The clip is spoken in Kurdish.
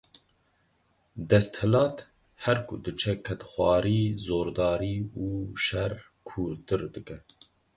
Desthilat her ku diçe kedxwarî, zordarî û şer kûrtir dike.